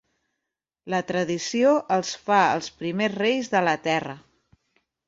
La tradició els fa els primers reis de la terra.